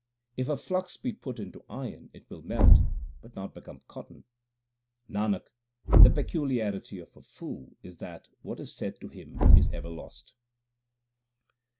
If a flux be put into iron it will melt, but not become cotton. 1 Nanak, the peculiarity of a fool is that what is said to him is ever lost.